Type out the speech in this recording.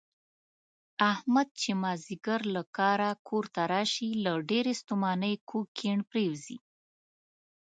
احمد چې مازدیګر له کاره کورته راشي، له ډېرې ستومانۍ کوږ کیڼ پرېوځي.